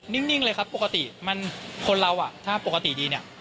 นิ่งเลยครับปกติมันคนเราอ่ะถ้าปกติดีเนี่ย